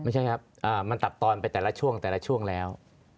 ไม่ใช่ครับมันตัดตอนไปแต่ละช่วงแต่ละช่วงแล้ว